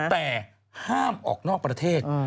แต่ห้ามออกนอกประเทศ